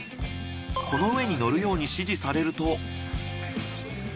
この上に乗るように指示されると。